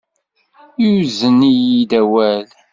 Yuzen-iyi-id awal.